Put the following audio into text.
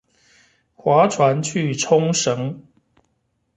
划船去沖繩